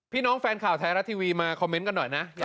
พี่น้องแฟนข่าวแทร่ละทีวีมาคอมเมนต์กันหน่อยนะ